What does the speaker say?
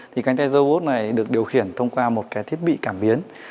thì cánh tay robot này được điều khiển thông qua một cái thiết bị cảm biến